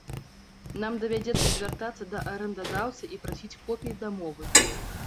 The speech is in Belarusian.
Нам давядзецца звяртацца да арэндадаўцы і прасіць копіі дамовы.